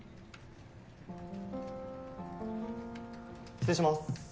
失礼します